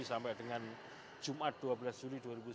sampai dengan jumat dua belas juli dua ribu sembilan belas